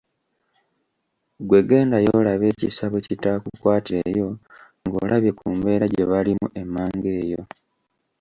Gwe gendayo olabe ekisa bwe kitaakukwatireyo ng’olabye ku mbeera gye balimu emmanga eyo.